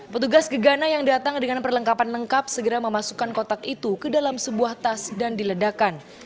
petugas gegana yang datang dengan perlengkapan lengkap segera memasukkan kotak itu ke dalam sebuah tas dan diledakan